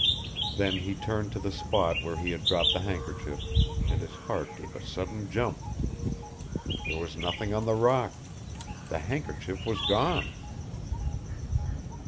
Then he turned to the spot where he had dropped the handkerchief, and his heart gave a sudden jump. There was nothing on the rock. The handkerchief was gone!